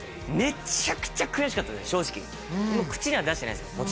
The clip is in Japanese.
めっちゃくちゃ悔しかった正直口には出してないです